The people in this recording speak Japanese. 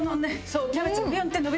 そう。